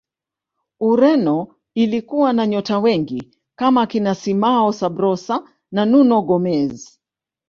ureno ilikuwa na nyota wengi kama kina simao sabrosa na nuno gomez